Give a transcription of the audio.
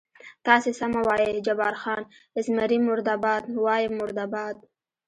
تاسې سمه وایئ، جبار خان: زمري مرده باد، وایم مرده باد.